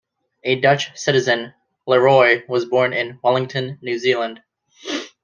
A Dutch citizen, Leroi was born in Wellington, New Zealand.